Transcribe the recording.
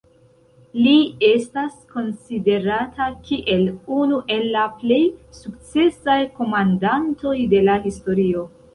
Li estas konsiderata kiel unu el la plej sukcesaj komandantoj de la historio.